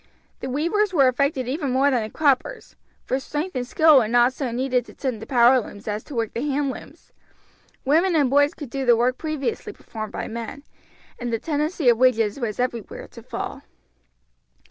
The weavers were affected even more than the croppers, for strength and skill were not so needed to tend the power looms as to work the hand looms. Women and boys could do the work previously performed by men, and the tendency of wages was everywhere to fall.